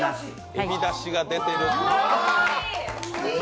えびだしが出てる！